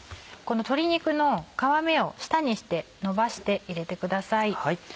鶏肉の皮目を下にして伸ばして入れてください。